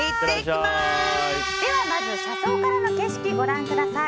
まず、車窓からの景色をご覧ください。